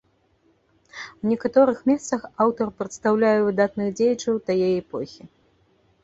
У некаторых месцах аўтар прадстаўляе выдатных дзеячаў тае эпохі.